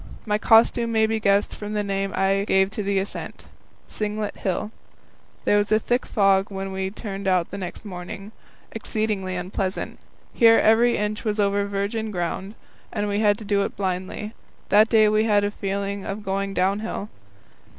My costume may be guessed from the name I gave to the ascent Singlet Hill. There was a thick fog when we turned out next morning, exceedingly unpleasant. Here every inch was over virgin ground, and we had to do it blindly. That day we had a feeling of going downhill.